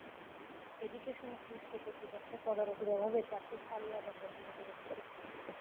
এদিকে সংশ্লিষ্ট কর্তৃপক্ষের তদারকির অভাবে চারটি খালই আবার দখল হতে বসেছে।